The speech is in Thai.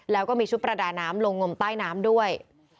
แล้วก็มีชุดประดาน้ำลงงมใต้น้ำด้วย